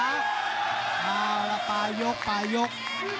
มาละปลายกปลายก